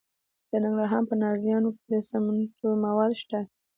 د ننګرهار په نازیانو کې د سمنټو مواد شته.